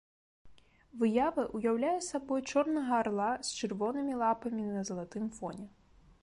Выява ўяўляе сабой чорнага арла з чырвонымі лапамі на залатым фоне.